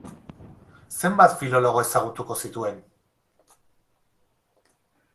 Zenbat filologo ezagutuko zituen?